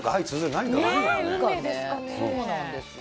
そうなんですよ。